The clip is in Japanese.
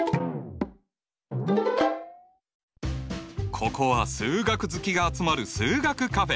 ここは数学好きが集まる数学カフェ。